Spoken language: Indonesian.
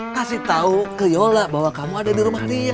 kasih tahu ke yola bahwa kamu ada di rumah dia